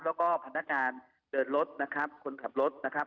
แล้วก็พนักงานเดินรถนะครับคนขับรถนะครับ